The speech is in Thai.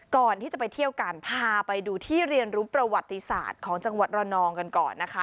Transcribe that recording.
ก่อนที่จะไปเที่ยวกันพาไปดูที่เรียนรู้ประวัติศาสตร์ของจังหวัดระนองกันก่อนนะคะ